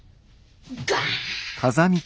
ガン！